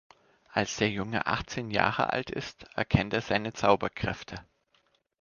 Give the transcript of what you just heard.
Als der Junge achtzehn Jahre alt ist, erkennt er seine Zauberkräfte.